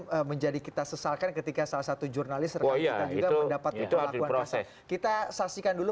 kita jadi kita sesalkan ketika salah satu jurnalis oh iya itu dapat itu ada proses kita saksikan dulu